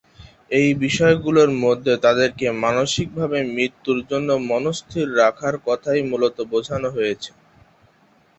ঐ বিষয়গুলোর মাধ্যমে তাদেরকে মানসিকভাবে মৃত্যুর জন্য মনস্থির রাখার কথাই মূলতঃ বোঝানো হয়েছিল।